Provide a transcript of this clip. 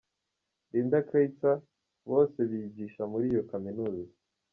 Linda Kreitzer bose bigisha muri iyo Kaminuza.